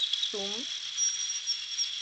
तुम